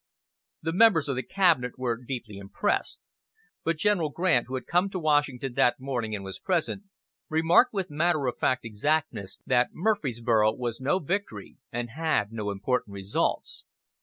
The members of the cabinet were deeply impressed; but General Grant, who had come to Washington that morning and was present, remarked with matter of fact exactness that Murfreesboro was no victory and had no important results.